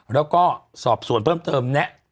แล้วก็สอบส่วนเพิ่มเติมแนะ